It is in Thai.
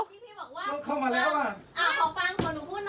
พี่บอกว่าเราเข้ามาแล้วอ่ะ